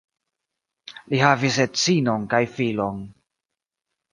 La havis edzinon kaj filon.